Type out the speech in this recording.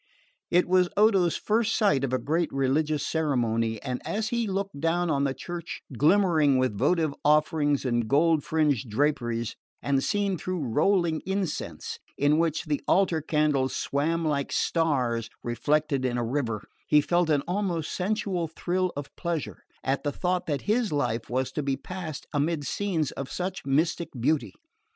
It was Odo's first sight of a great religious ceremony, and as he looked down on the church glimmering with votive offerings and gold fringed draperies, and seen through rolling incense in which the altar candles swam like stars reflected in a river, he felt an almost sensual thrill of pleasure at the thought that his life was to be passed amid scenes of such mystic beauty.